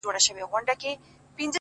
زما زړه هم افغانستان سو نه جوړېږي اشنا’